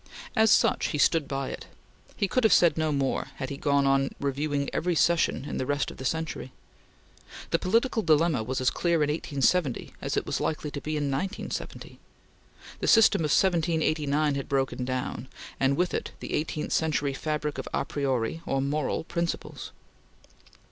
As such, he stood by it. He could have said no more, had he gone on reviewing every session in the rest of the century. The political dilemma was as clear in 1870 as it was likely to be in 1970. The system of 1789 had broken down, and with it the eighteenth century fabric of a priori, or moral, principles.